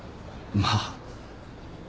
まあ。